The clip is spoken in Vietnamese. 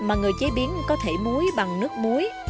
mà người chế biến có thể muối bằng nước muối